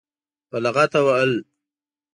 په لغته وهل.